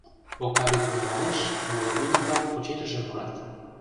Окавий тӱҥалеш, моло ӱдыр-влак почешыже мурат: